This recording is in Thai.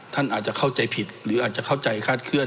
ท่านอาจจะเข้าใจผิดหรืออาจจะเข้าใจคาดเคลื